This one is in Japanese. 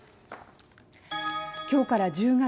今日から１０月。